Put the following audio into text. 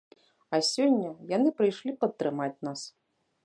А сёння яны прыйшлі падтрымаць нас!